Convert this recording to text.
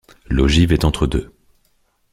L’ogive est entre deux.